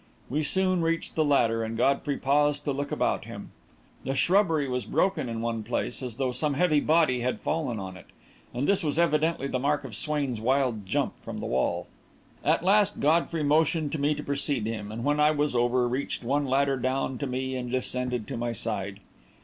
We soon reached the ladder, and Godfrey paused to look about him. The shrubbery was broken in one place, as though some heavy body had fallen on it, and this was evidently the mark of Swain's wild jump from the wall. At last, Godfrey motioned me to precede him, and, when I was over, reached one ladder down to me and descended to my side.